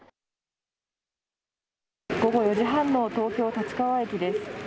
午後４時半の東京・立川駅です。